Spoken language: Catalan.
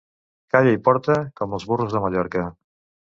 Calla i porta, com els burros de Mallorca.